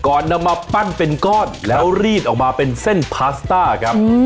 นำมาปั้นเป็นก้อนแล้วรีดออกมาเป็นเส้นพาสต้าครับ